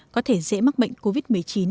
có thể dễ mắc bệnh covid một mươi chín